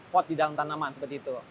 pot di dalam tanaman seperti itu